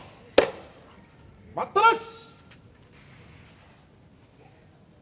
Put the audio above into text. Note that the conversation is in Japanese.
待ったなし。